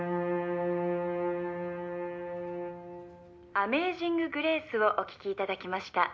「『アメイジング・グレイス』をお聴きいただきました」